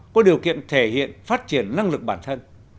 có điều kiện thể hiện phát triển năng lực bản thân